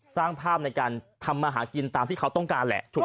สร้างภาพในการทำมาหากินตามที่เขาต้องการแหละถูกไหม